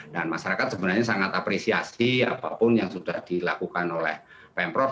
dan masyarakat sebenarnya sangat apresiasi apapun yang sudah dilakukan oleh pemprov